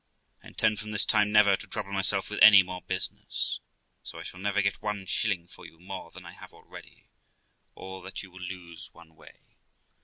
'I intend from this time never to trouble myself with any more business, so I shall never get one shilling for you more than I have already; all that you will lose one way.